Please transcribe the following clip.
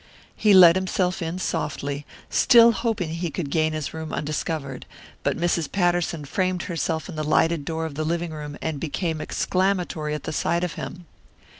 He let himself in softly, still hoping he could gain his room undiscovered; but Mrs. Patterson framed herself in the lighted door of the living room and became exclamatory at sight of him.